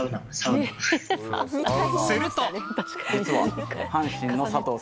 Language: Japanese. すると。